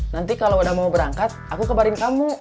nanti kalau udah mau berangkat aku kebarin kamu